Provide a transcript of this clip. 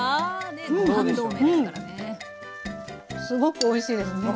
すごくおいしいです！